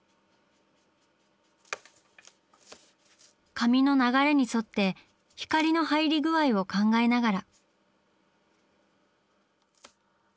髪の流れに沿って光の入り具合を考えながら。